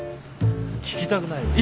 聞きたくないね。